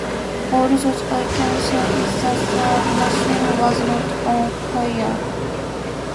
All that I can say is that the machine was not on fire.